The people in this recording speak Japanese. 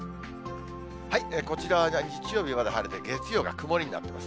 こちらは日曜日まで晴れて月曜日が曇りになってます。